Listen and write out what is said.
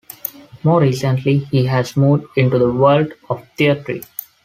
More recently he has moved into the world of theatre.